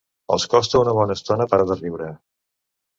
Els costa una bona estona parar de riure.